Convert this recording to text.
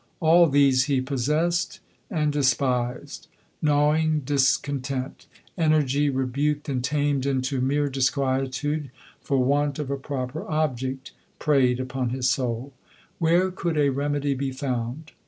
All these he possessed, and despised. Gnawing discontent ; energy, rebuked and tamed into mere disquietude, for want of a proper object, preyed upon his soul. Where could a remedy be found